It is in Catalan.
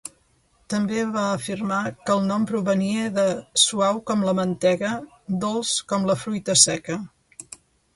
També va afirmar que el nom provenia de "suau com la mantega, dolç com la fruita seca".